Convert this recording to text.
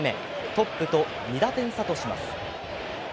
トップと２打点差とします。